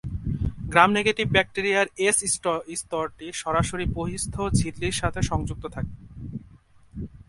Gram-negative ব্যাকটেরিয়ার এস-স্তরটি সরাসরি বহিঃস্থ ঝিল্লির সাথে সংযুক্ত থাকে।